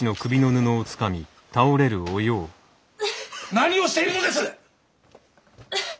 何をしているのです！